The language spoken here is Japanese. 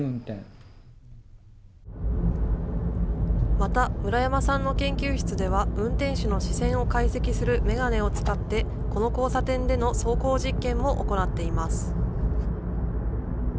また、村山さんの研究室では、運転手の視線を解析する眼鏡を使って、この交差点での走行実験も行っています。